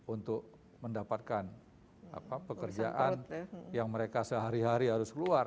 untuk mendapatkan pekerjaan yang mereka sehari hari harus keluar